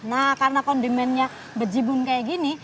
nah karena kondimennya berjibun kayak gini